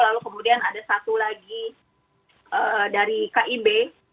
lalu kemudian ada satu lagi dari kib